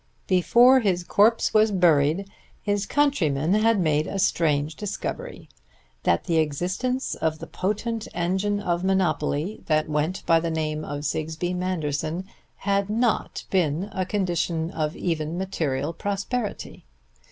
Before his corpse was buried his countrymen had made a strange discovery: that the existence of the potent engine of monopoly that went by the name of Sigsbee Manderson had not been a condition of even material prosperity.